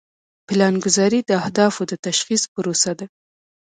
پلانګذاري د اهدافو د تشخیص پروسه ده.